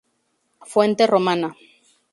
Fuente romana.